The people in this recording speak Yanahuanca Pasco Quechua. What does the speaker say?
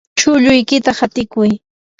chulluykita hatikuy.